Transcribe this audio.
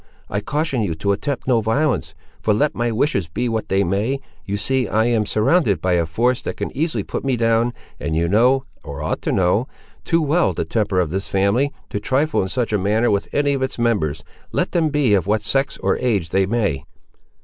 I caution you to attempt no violence, for let my wishes be what they may, you see I am surrounded by a force that can easily put me down, and you know, or ought to know, too well the temper of this family, to trifle in such a matter with any of its members, let them be of what sex or age they may."